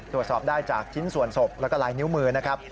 ตรวจสอบได้จากชิ้นส่วนศพแล้วก็ลายนิ้วมือนะครับ